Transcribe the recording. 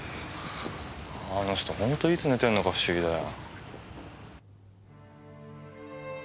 あの人ほんといつ寝てんのか不思議だよ。